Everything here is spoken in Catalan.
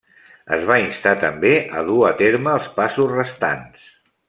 Es va instar també a dur a terme els passos restants.